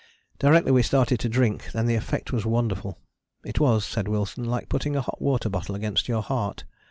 Directly we started to drink then the effect was wonderful: it was, said Wilson, like putting a hot water bottle against your heart.